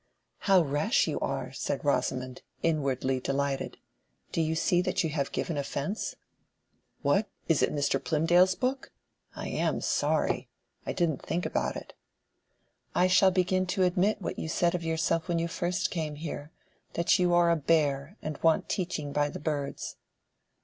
"How rash you are!" said Rosamond, inwardly delighted. "Do you see that you have given offence?" "What! is it Mr. Plymdale's book? I am sorry. I didn't think about it." "I shall begin to admit what you said of yourself when you first came here—that you are a bear, and want teaching by the birds."